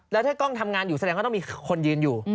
แล้วถ้ากล้องทำงานอยู่แสดงว่าต้องมีคนยืนอยู่